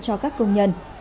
cho các công ty